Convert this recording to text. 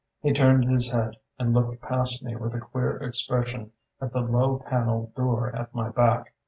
He turned his head and looked past me with a queer expression at the low panelled door at my back.